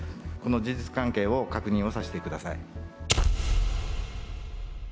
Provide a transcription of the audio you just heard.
この事実関係を確認させてくださ